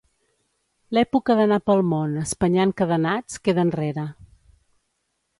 L'època d'anar pel món espanyant cadenats queda enrere.